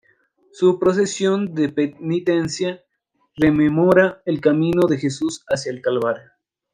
Su procesión de penitencia rememora el camino de Jesús hacia el Calvario.